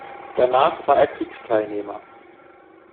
Danach war er Kriegsteilnehmer.